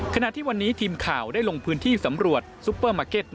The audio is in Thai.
ขณะที่วันนี้ทีมข่าวได้ลงพื้นที่สำรวจซุปเปอร์มาร์เก็ต